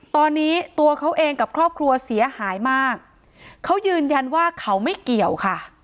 ตอนนี้ตัวเขาเองกับครอบครัวเสียหายมากเขายืนยันว่าเขาไม่เกี่ยวค่ะ